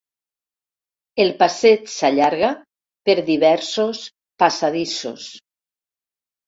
El passeig s'allarga per diversos passadissos.